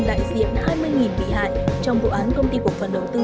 đại diện hai mươi bị hại trong vụ án công ty của bộ công an